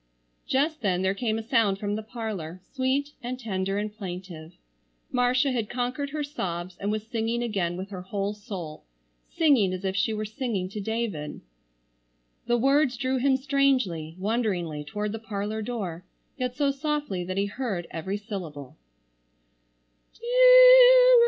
Just then there came a sound from the parlor, sweet and tender and plaintive. Marcia had conquered her sobs and was singing again with her whole soul, singing as if she were singing to David. The words drew him strangely, wonderingly toward the parlor door, yet so softly that he heard every syllable.